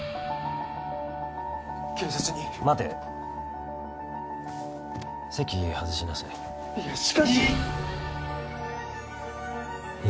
警察に待て席外しなさいいやしかしいい！